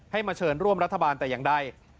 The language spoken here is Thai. มาเชิญร่วมรัฐบาลแต่อย่างใด